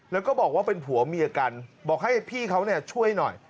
แล้วก็บอกว่าเป็นผัวเมียกันบอกให้พี่เขาช่วยหน่อย